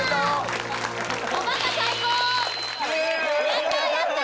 やったやった！